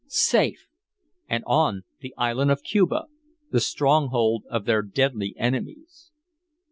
Safe! And on the island of Cuba, the stronghold of their deadly enemies!